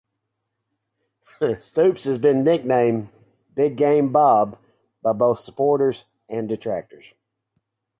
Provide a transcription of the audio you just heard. Stoops has been nicknamed "Big Game Bob" by both supporters and detractors.